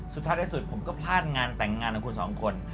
สุดท้ายในสุดผมก็พลาดงานแต่งงานของคุณสองคน